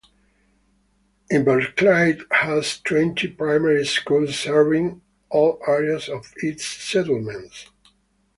Inverclyde has twenty primary schools serving all areas of its settlements.